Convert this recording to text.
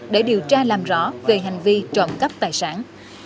để điều tra làm rõ về hành vi trộm cắp tài sản